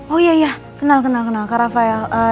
oh iya iya kenal kenal kak rafael